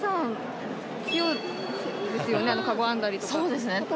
そうですね。